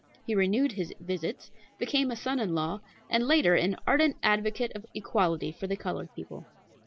He renewed his visits, became a son in law, and, later, an ardent advocate of equality for the colored people.